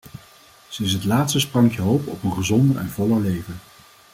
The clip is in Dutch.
Ze is het laatste sprankje hoop op een gezonder en voller leven.